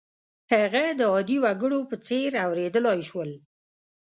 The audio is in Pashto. هغه د عادي وګړو په څېر اورېدلای شول.